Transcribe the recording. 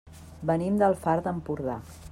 Venim del Far d'Empordà.